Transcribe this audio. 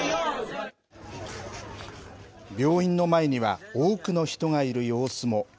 病院の前には、多くの人がいる様子も。